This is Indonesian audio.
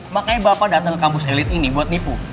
makanya bapak datang ke kampus elit ini buat nipu